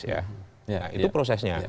nah itu prosesnya